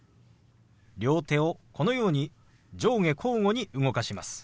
両手をこのように上下交互に動かします。